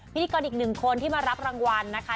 พิธีกรอีกหนึ่งคนที่มารับรางวัลนะคะ